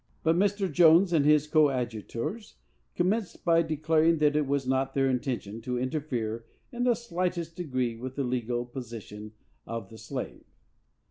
But Mr. Jones and his coadjutors commenced by declaring that it was not their intention to interfere, in the slightest degree, with the legal position of the slave.